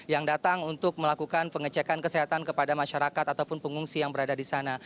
yang datang untuk melakukan pengecekan kesehatan kepada masyarakat ataupun pengungsi yang berada di sana